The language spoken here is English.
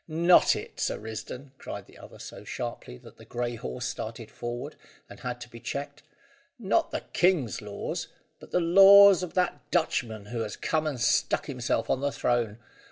Not it, Sir Risdon," cried the other so sharply, that the grey horse started forward, and had to be checked. "Not the king's laws, but the laws of that Dutchman who has come and stuck himself on the throne.